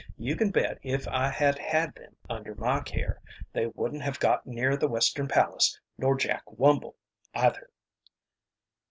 You can bet if I had had them under my care they wouldn't have got near the Western Palace, nor Jack Wumble either."